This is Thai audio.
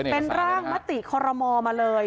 เป็นร่างมติคอรมอลมาเลย